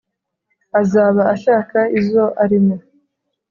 Azaba ashaka izo arimo;